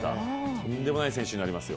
とんでもない選手になりますよ。